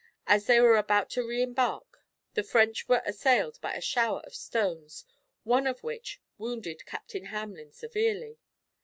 As they were about to re embark the French were assailed by a shower of stones, one of which wounded Captain Hamelin severely.